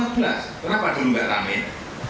kenapa dulu enggak ramit